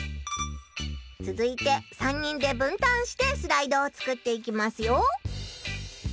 つづいて３人でぶんたんしてスライドを作っていきますよ！